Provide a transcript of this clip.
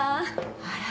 あら？